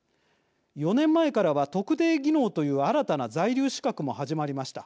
４年前からは特定技能という新たな在留資格も始まりました。